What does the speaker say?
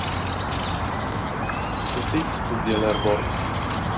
– Xususiy studiyalar bor.